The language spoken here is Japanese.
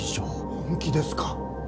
本気ですか？